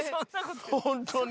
ホントに。